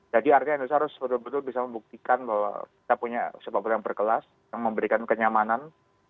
jadi artinya indonesia harus sebetul betul bisa membuktikan bahwa kita punya sepak bola yang berkelas yang memberikan kenyamanan